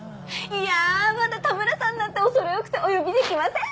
いやまだ「田村さん」なんて恐れ多くてお呼びできません！